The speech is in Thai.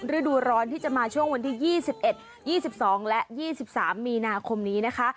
ฤดูร้อนที่จะมาช่วงวันที่๒๑๒๒และ๒๓มีนาคมนี้นะคะ